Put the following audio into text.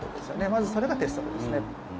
まずそれが鉄則ですね。